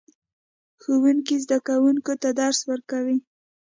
ښوونکی زده کوونکو ته درس ورکوي